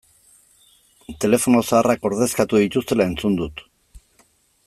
Telefono zaharrak ordezkatu dituztela entzun dut.